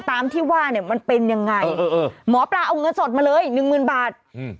ตามที่ว่าเนี่ยมันเป็นยังไงหมอปลาเอาเงินสดมาเลย๑ล้านบาท